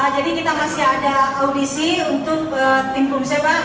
jadi kita masih ada audisi untuk tim kumseh pak